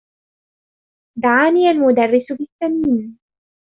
دعاني المدرّس بالسّمين.